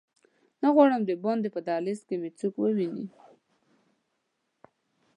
نه غواړم دباندې په دهلېز کې مې څوک وویني.